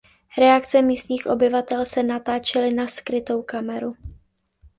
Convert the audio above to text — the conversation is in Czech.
Reakce místních obyvatel se natáčely na skrytou kameru.